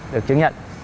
được chứng nhận